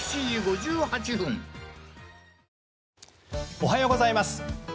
おはようございます。